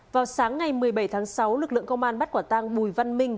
vào sáng ngày một mươi bảy tháng sáu lực lượng công an bắt quả tăng bùi văn minh